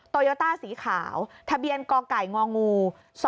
โตโยต้าสีขาวทะเบียนกอกไก่งองู